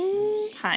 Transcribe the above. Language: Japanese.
はい。